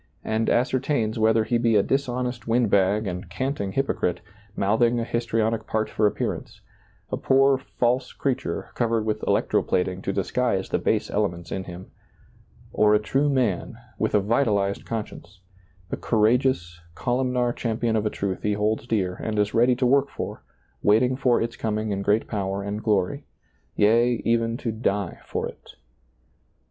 and ascertains whether he be a dishonest wind bag and canting hypocrite, mouth ing a histrionic part for appearance ; a poor, false creature, covered with electro plating to disguise the base elements in him — or a true man with a vitalized conscience, the courageous, columnar champion of a truth he holds dear and is ready to work for, waiting for its coming in great power and glory ;— yea, even to die for it.